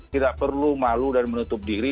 tidak perlu malu dan menutup diri